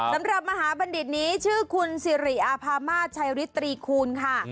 สำหรับมหาบัณฑิตนี้ชื่อคุณสิริอาภามาศชัยริตรีคูณค่ะ